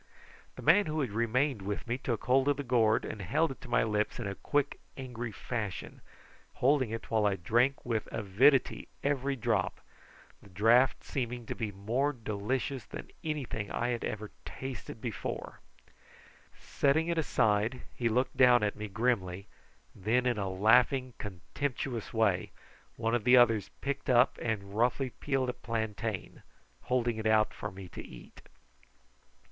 The man who had remained with me took hold of the gourd and held it to my lips in a quick angry fashion, holding it while I drank with avidity every drop, the draught seeming to be more delicious than anything I had ever before tasted. Setting it aside he looked down at me grimly, and then in a laughing contemptuous way one of the others picked up and roughly peeled a plantain, holding it out to me to eat.